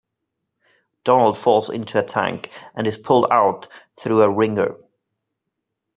Donald falls into a tank and is pulled out through a wringer.